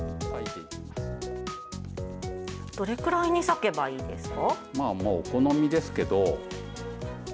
どれくらいに裂けばいいですか？